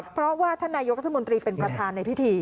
เพราะว่าท่านนายกรัฐมนตรีเป็นประธานในพิธี